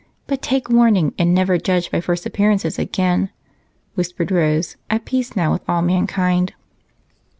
But take warning and never judge by first appearances again," whispered Rose, at peace now with all mankind.